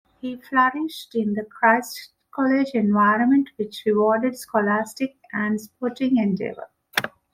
He flourished in the Christ College environment which rewarded scholastic and sporting endeavour.